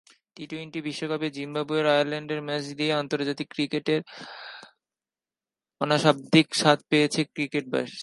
T twenty বিশ্বকাপে Zimbabwe Ireland match দিয়েই আন্তর্জাতিক ক্রিকেটের অনাস্বাদিত স্বাদ পেতে যাচ্ছে সিলেটবাসী।